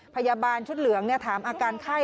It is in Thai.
พยาบาลชุดเหลืองถามอาการไข้